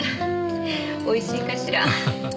美味しいかしら。